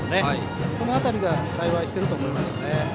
この辺りが幸いしていると思います。